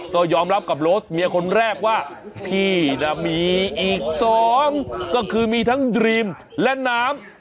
ก็ยอมรับกับโรสเมียคนแรกว่าพี่น่ะมีอีกสองก็คือมีทั้งดรีมและน้ำ